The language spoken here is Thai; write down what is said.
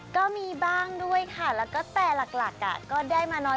ก็มีบ้างด้วยค่ะแล้วก็แต่หลักก็ได้มาน้อย